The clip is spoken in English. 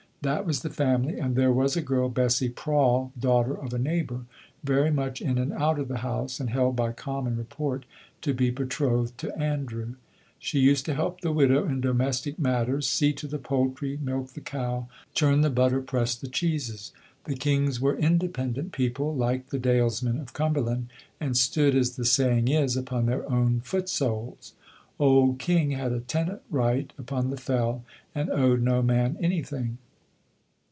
That was the family; and there was a girl, Bessie Prawle, daughter of a neighbour, very much in and out of the house, and held by common report to be betrothed to Andrew. She used to help the widow in domestic matters, see to the poultry, milk the cow, churn the butter, press the cheeses. The Kings were independent people, like the dalesmen of Cumberland, and stood, as the saying is, upon their own foot soles. Old King had a tenant right upon the fell, and owed no man anything.